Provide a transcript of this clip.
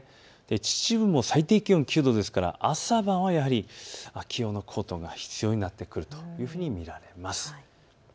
秩父も最低気温９度ですから朝晩はやはり秋用のコートが必要になってくると見られます。